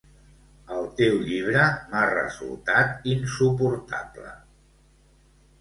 El teu llibre m'ha resultat insuportable.